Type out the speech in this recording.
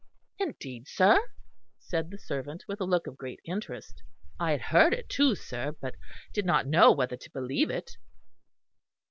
"Indeed, sir," said the servant, with a look of great interest, "I had heard it too, sir; but did not know whether to believe it."